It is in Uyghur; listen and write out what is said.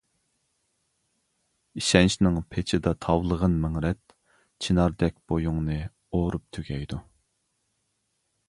ئىشەنچنىڭ پېچىدا تاۋلىغىن مىڭ رەت، چىناردەك بويۇڭنى ئورۇپ تۈگەيدۇ.